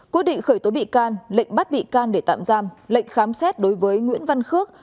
quyết định khởi tố bị can lệnh bắt bị can để tạm giam lệnh khám xét đối với nguyễn văn khước